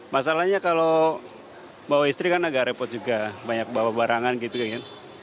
masalahnya kalau bawa istri kan agak repot juga banyak bawa barangan gitu kan